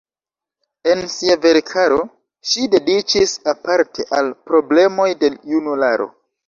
En sia verkaro ŝi dediĉis aparte al problemoj de junularo.